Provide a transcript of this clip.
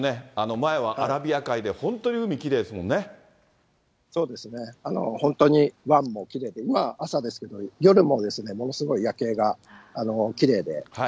前はアラビア海で、本当に海、そうですね、本当に湾もきれいで、今、朝ですけど、夜もものすごい夜景がきれいで。